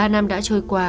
một mươi ba năm đã trôi qua